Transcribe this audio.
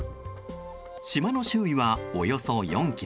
島の周囲は、およそ４ｋｍ。